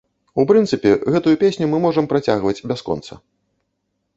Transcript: У прынцыпе, гэтую песню мы можам працягваць бясконца.